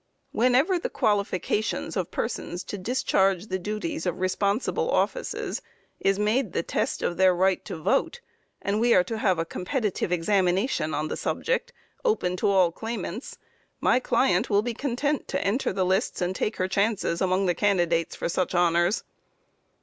Whenever the qualifications of persons to discharge the duties of responsible offices is made the test of their right to vote, and we are to have a competitive examination on that subject, open to all claimants, my client will be content to enter the lists, and take her chances among the candidates for such honors.